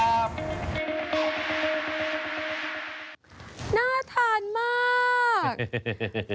น่าทานมาก